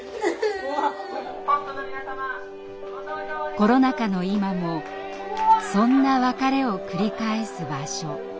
コロナ禍の今もそんな別れを繰り返す場所。